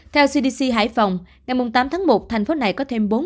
theo cdc hải phòng ngày tám tháng một thành phố này có thêm bốn